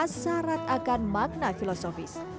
syarat akan makna filosofis